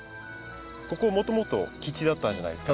ここもともと基地だったじゃないですか。